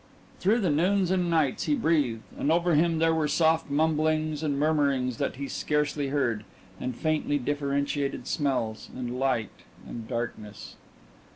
Through the noons and nights he breathed and over him there were soft mumblings and murmurings that he scarcely heard, and faintly differentiated smells, and light and darkness.